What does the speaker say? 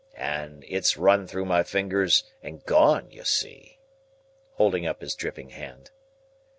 And it's run through my fingers and gone, you see!" holding up his dripping hand.